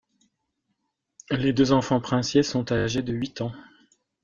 Les deux enfants princiers sont âgés de huit ans.